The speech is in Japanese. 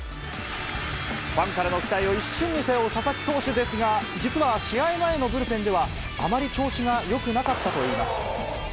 ファンからの期待を一身に背負う佐々木投手ですが、実は、試合前のブルペンでは、あまり調子がよくなかったといいます。